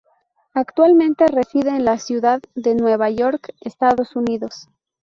Actualmente reside en la ciudad de Nueva York, Estados Unidos.